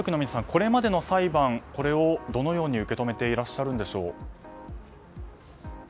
これまでの裁判をどのように受け止めていらっしゃるのでしょう。